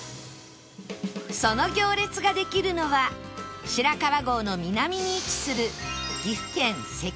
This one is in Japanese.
その行列ができるのは白川郷の南に位置する